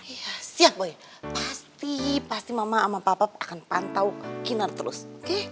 iya siap boy pasti pasti mama sama papa akan pantau kinar terus oke